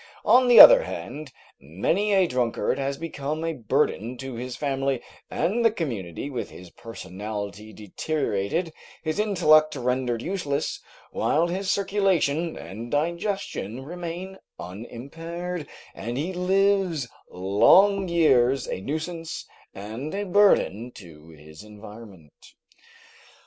On the other hand, many a drunkard has become a burden to his family and the community, with his personality deteriorated, his intellect rendered useless, while his circulation and digestion remain unimpaired, and he lives long years a nuisance and a burden to his environment.